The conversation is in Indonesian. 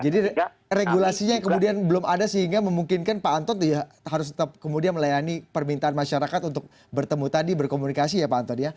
jadi regulasinya kemudian belum ada sehingga memungkinkan pak anton harus tetap kemudian melayani permintaan masyarakat untuk bertemu tadi berkomunikasi ya pak anton ya